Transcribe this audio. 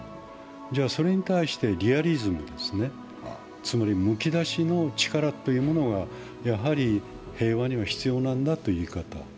それに対して、リアリズムですね、つまり、むき出しの力というものが平和には必要なんだという言い方。